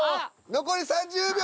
残り２０秒。